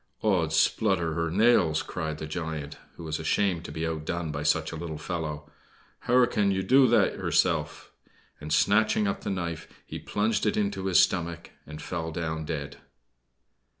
"Ods splutter hur nails!" cried the giant, who was ashamed to be outdone by such a little fellow. "Hur can do that hurself!" and, snatching up the knife, he plunged it into his stomach and fell down dead.